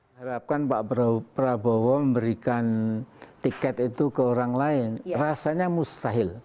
harapkan pak prabowo memberikan tiket itu ke orang lain rasanya mustahil